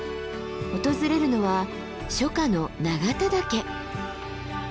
訪れるのは初夏の永田岳。